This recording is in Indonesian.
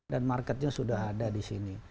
dan marketnya sudah ada di sini